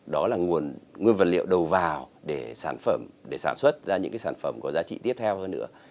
đó là nguồn vật liệu đầu vào để sản xuất ra những cái sản phẩm có giá trị tiếp theo hơn nữa